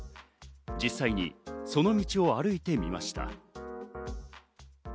実際にその道を歩いてみました。